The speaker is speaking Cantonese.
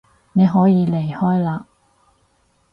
你可以離開嘞